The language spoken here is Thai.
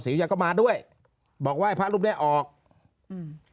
ศิษยาก็มาด้วยบอกว่าให้พระรุเปด้อออกอืม